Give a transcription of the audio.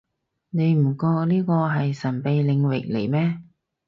你唔覺呢個係神秘領域嚟咩